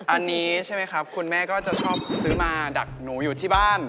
อันนี้ใช่ไหมครับคุณแม่ก็จะชอบซื้อมาดักหนูอยู่ที่บ้าน